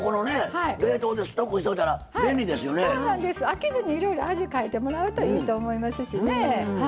飽きずにいろいろ味変えてもらうといいと思いますしね。